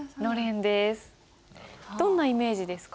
どんなイメージですか？